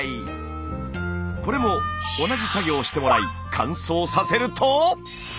これも同じ作業をしてもらい乾燥させると！